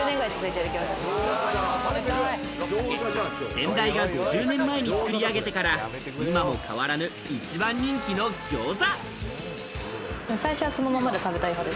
先代が５０年前に作り上げてから今も変わらぬ一番人気のギョーザ。